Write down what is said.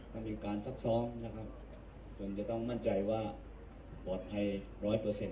ถ้ามีการซักซ้อมนะครับจนจะต้องมั่นใจว่าปลอดภัยร้อยเปอร์เซ็น